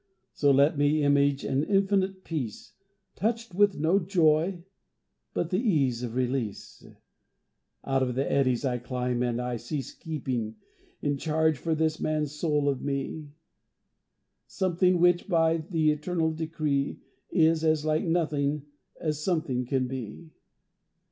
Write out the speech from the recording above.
So let me image an infinite peace Touched with no joy but the ease of release. Out of the eddies I climb and I cease Keeping, in change for this man's soul of me, Something which, by the eternal decree, Is as like Nothing as Something can be!